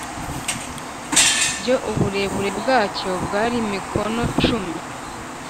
Byo uburebure bwacyo bwari mikono cumi